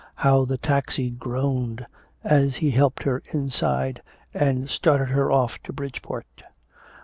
How the taxi groaned as he helped her inside and started her off to Bridgeport.